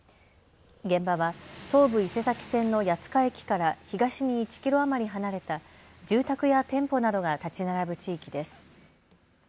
現場は東武伊勢崎線の谷塚駅から東に１キロ余り離れた住宅や店舗などが建ち並ぶ地域です。